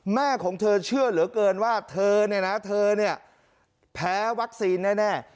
แม่ของเธอเชื่อเหลือเกินว่าเธอแพ้วัคซีนแน่